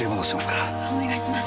お願いします。